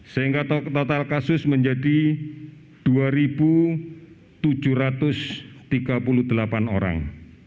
sehingga total kasus menjadi dua tujuh ratus tiga puluh delapan orang